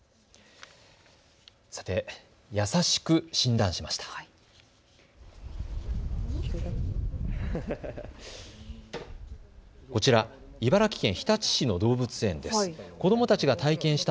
優しく診断しました。